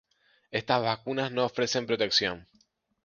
Estas vacunas no ofrecen protección